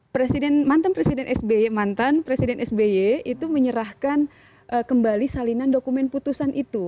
presiden mantan presiden sby mantan presiden sby itu menyerahkan kembali salinan dokumen putusan itu